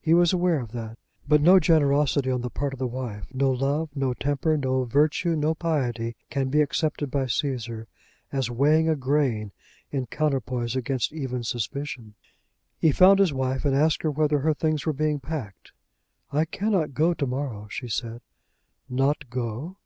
He was aware of that. But no generosity on the part of the wife, no love, no temper, no virtue, no piety can be accepted by Cæsar as weighing a grain in counterpoise against even suspicion. He found his wife and asked her whether her things were being packed. "I cannot go to morrow," she said. "Not go?"